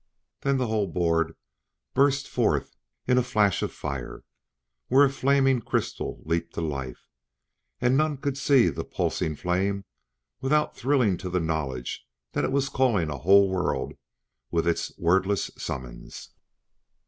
Then the whole board burst forth in a flash of fire where a flaming crystal leaped to life and none could see that pulsing flame without thrilling to the knowledge that it was calling a whole world with its wordless summons.